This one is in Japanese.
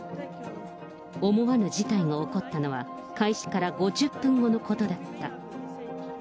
思わぬ事態が起こったのは、開始から５０分後のことだった。